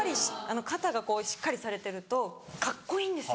肩がしっかりされてるとカッコいいんですよ